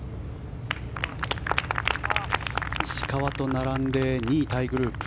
石川と並んで２位タイグループ。